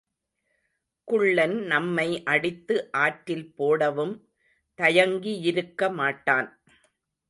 குள்ளன் நம்மை அடித்து ஆற்றில் போடவும் தயங்கியிருக்கமாட்டான்.